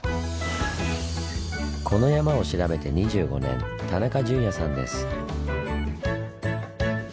この山を調べて２５年田中淳也さんです。